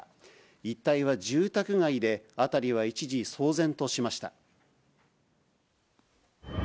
一帯は住宅街で、辺りは一時騒然としました。